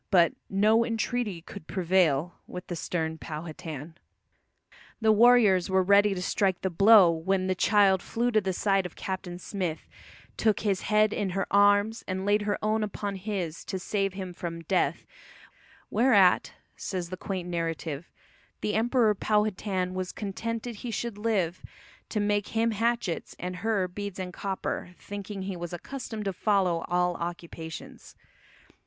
But "no entreaty could prevail" with the stern Powhatan. The warriors were ready to strike the blow, when the child flew to the side of Captain Smith, took "his head in her arms and laid her own upon his to save him from death, whereat," says the quaint narrative "the Emperor [Powhatan] was contented he should live to make him hatchets and her beads and copper," thinking he was accustomed to follow all occupations.